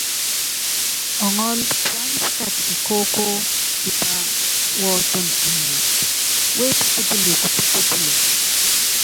Ɔŋɔ́l, puany pu katɛ kikóókó, tipa wɔɔ́tɔn ɛŋɛnd wepítútule kupítútule.